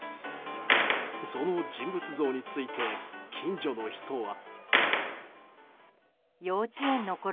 その人物像について近所の人は。